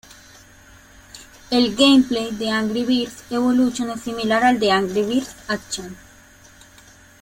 El gameplay de Angry Birds Evolution es similar al de Angry Birds Action!